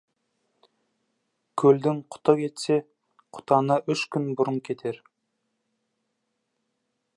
Көлдің құты кетсе, құтаны үш күн бұрын кетер.